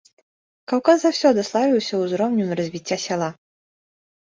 Каўказ заўсёды славіўся узроўнем развіцця сяла.